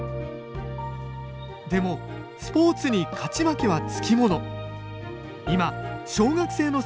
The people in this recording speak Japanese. でも、スポーツに勝ち負けはつきもの。